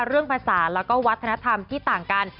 เรื่องภาษาแล้วก็วัฒนธรรมที่ต่างกัน